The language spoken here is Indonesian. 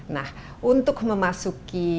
nah untuk memasuki